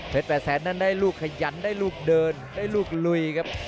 แปดแสนนั้นได้ลูกขยันได้ลูกเดินได้ลูกลุยครับ